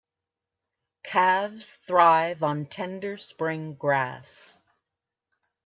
Calves thrive on tender spring grass.